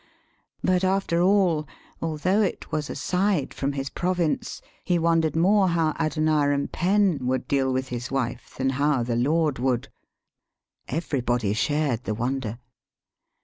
But, after all, although it was aside from his province, he wondered more how Adoniram Penn would deal with his wife than how the Lord would. Everybody shared the wonder.